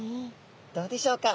どうでしょうか？